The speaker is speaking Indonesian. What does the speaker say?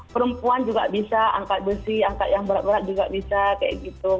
perempuan juga bisa angkat besi angkat yang berat berat juga bisa kayak gitu